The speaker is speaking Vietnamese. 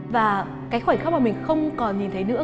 và cái khoảnh khắc mà mình không còn nhìn thấy nữa